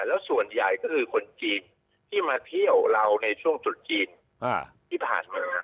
แล้วส่วนใหญ่ก็คือคนจีนที่มาเที่ยวเราในช่วงตรุษจีนที่ผ่านมา